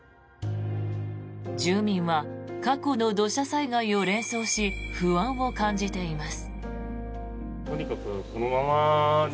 住民は過去の土砂災害を連想し不安を感じています。